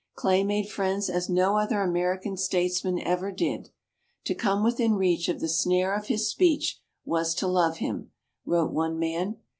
Clay made friends as no other American statesman ever did. "To come within reach of the snare of his speech was to love him," wrote one man.